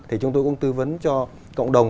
vì vậy chúng tôi cũng tư vấn cho cộng đồng